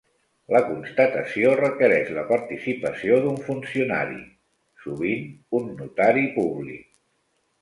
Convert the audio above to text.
La constatació requereix la participació d'un funcionari, sovint un notari públic.